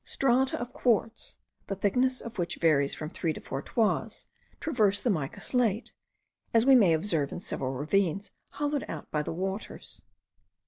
Strata of quartz, the thickness of which varies from three to four toises, traverse the mica slate, as we may observe in several ravines hollowed out by the waters.